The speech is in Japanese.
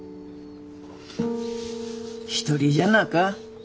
一人じゃなか。